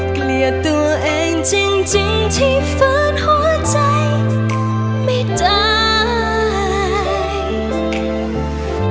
เกลียดตัวเองจริงที่ฝืนหัวใจไม่ใจ